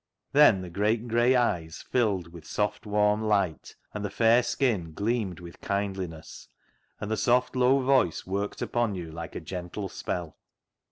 Then the great grey eyes filled with soft warm light, and the fair skin gleamed with kindliness, and the soft low voice worked upon you like a gentle spell.